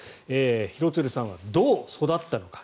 廣津留さんはどう育ったのか。